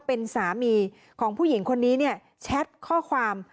เป็นสามีของผู้หญิงคนนี้เนี่ยแชทข้อความ